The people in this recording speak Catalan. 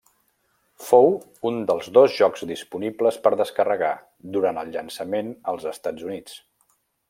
Fou un dels dos jocs disponibles per descarregar, durant el llançament als Estats Units.